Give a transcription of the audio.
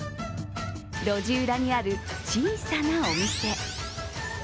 路地裏にある小さなお店。